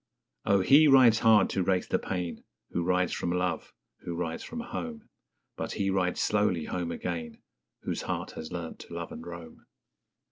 _Oh, he rides hard to race the pain Who rides from love, who rides from home; But he rides slowly home again, Whose heart has learnt to love and roam.